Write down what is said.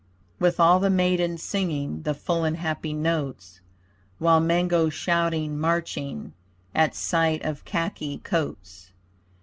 With all the maidens singing The full and happy notes, While men go shouting, marching, At sight of khaki coats.